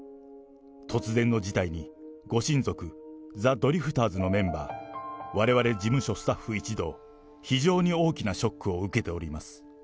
突然の事態に、ご親族、ザ・ドリフターズのメンバー、われわれ事務所スタッフ一同、非常に大きなショックを受けております。